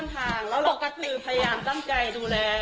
แล้วเราก็คือพยายามตั้งใจดูแล